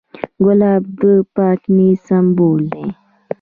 ګلاب د پاک نیت سمبول دی.